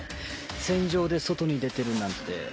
戦場で外に出てるなんて。